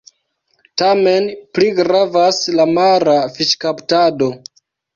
Tamen pli gravas la mara fiŝkaptado.